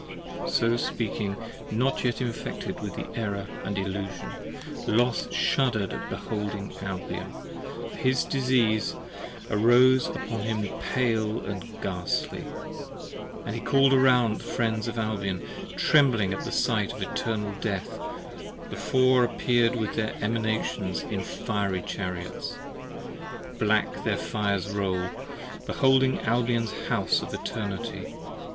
27 So speaking not yet infected with the Error & Illusion p. 40 LOS shudder'd at beholding Albion, for his disease Arose upon him pale and ghastly: and he call'd around The friends of Albion: trembling at the sight of Eternal Death The four appear'd with their Emanations in fiery 5 Chariots: black their fires roll, beholding Albion's House of Eternity.